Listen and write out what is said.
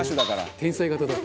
「天才型だ」